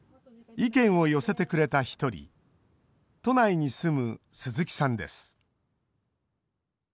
意見を寄せてくれた１人都内に住む鈴木さんです。